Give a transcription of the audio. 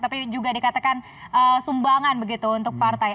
tapi juga dikatakan sumbangan begitu untuk partai